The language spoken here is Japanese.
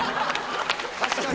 確かに。